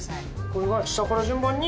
これは下から順番に。